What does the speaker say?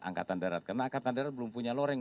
angkatan darat karena angkatan darat belum punya loreng